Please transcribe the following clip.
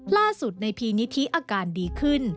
ล่าสุดในพีนิธิอาการดีขึ้น